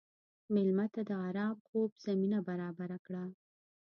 مېلمه ته د ارام خوب زمینه برابره کړه.